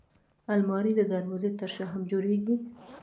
الماري د دروازې تر شا هم جوړېږي